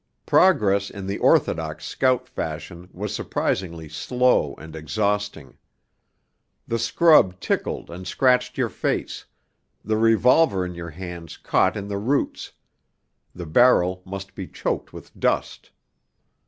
Progress in the orthodox scout fashion was surprisingly slow and exhausting. The scrub tickled and scratched your face, the revolver in your hands caught in the roots; the barrel must be choked with dust.